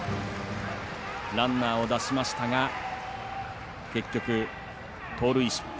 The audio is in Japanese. ランナーを出しましたが結局、盗塁失敗。